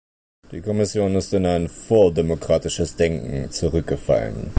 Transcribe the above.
Die Kommission ist in ein vordemokratisches Denken zurückgefallen.